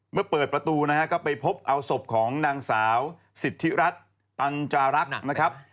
เมื่อเปิดประตูก็ไปพบเอาศพของนางสาวสิทธิรัตน์ตังจารักษ์